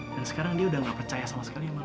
dan sekarang dia udah gak percaya sama sekali sama lu